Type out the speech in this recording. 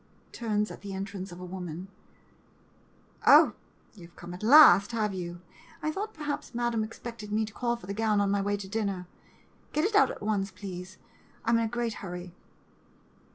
[Turns at entrance of woman.] Oh, you 've come at last, have you ? I thought, perhaps, Madam expected me to call for the gown on my way to dinner! Get it out at once, please — I 'm in a great hurry.